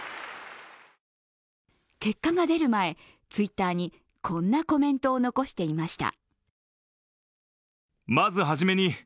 結果が出る前、Ｔｗｉｔｔｅｒにこんなコメントを残していました。